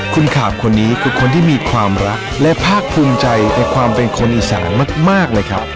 คุณขาบคนนี้คือคนที่มีความรักและภาคภูมิใจในความเป็นคนอีสานมากเลยครับ